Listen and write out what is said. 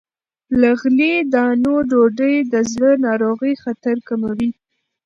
له غلې- دانو ډوډۍ د زړه ناروغۍ خطر کموي.